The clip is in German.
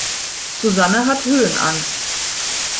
Susanne hat Höhenangst.